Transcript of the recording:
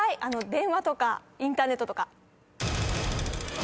電話とかインターネットとか。